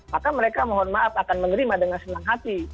maka mereka mohon maaf akan menerima dengan senang hati